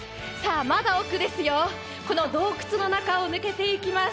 まだ奥ですよ、この洞窟の中を抜けていきます。